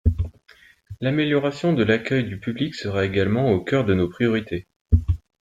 L’amélioration de l’accueil du public sera également au cœur de nos priorités.